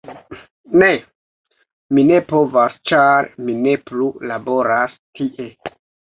Ne. Mi ne povas ĉar mi ne plu laboras tie.